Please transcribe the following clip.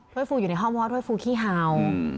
เว้ยฟูอยู่ในห้องเพราะว่าเว้ยฟูพี่ฮาว